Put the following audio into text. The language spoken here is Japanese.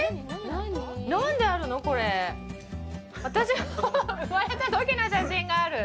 何であるの？